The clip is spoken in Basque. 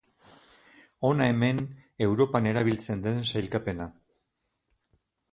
Hona hemen Europan erabiltzen den sailkapena.